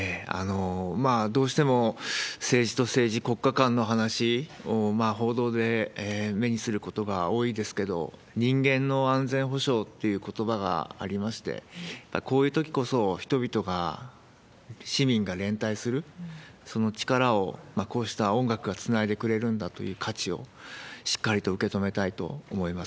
どうしても政治と政治、国家間の話を報道で目にすることが多いですけど、人間の安全保障っていうことばがありまして、こういうときこそ人々が、市民が連帯する、その力をこうした音楽がつないでくれるんだという価値をしっかりと受け止めたいと思います。